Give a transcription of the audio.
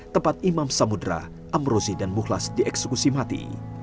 tempat imam samudera amrozi dan mukhlas dieksekusi mati